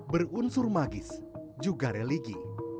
berunsur magis juga religi